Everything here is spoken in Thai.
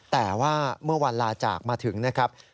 แต่ว่าเมื่อวันลาจากมาถึงนะครับ